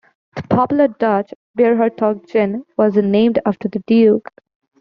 The popular Dutch beer Hertog Jan was named after the duke.